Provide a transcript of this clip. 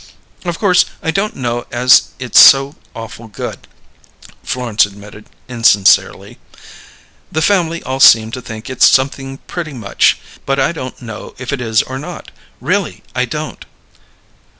"Of course, I don't know as it's so awful good," Florence admitted insincerely. "The family all seem to think it's something pretty much; but I don't know if it is or not. Really, I don't!"